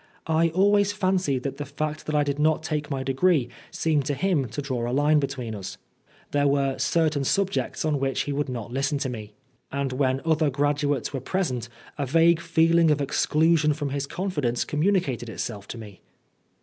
I always fancied that the fact that I did not take my degree seemed to him to draw a line between us. There were certain subjects on which he would not listen to me ; and when 74 Oscar Wilde other graduates were present, a vague feeling of exclusion from his confidence communicated itself to me.